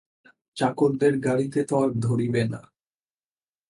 চাকরদের গাড়িতে তো আর ধরিবে না।